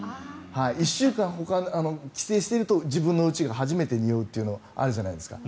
１週間帰省していると自分のうちが初めてにおうってのあるじゃないですか。